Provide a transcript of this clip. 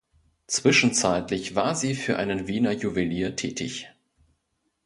Zwischenzeitlich war sie für einen Wiener Juwelier tätig.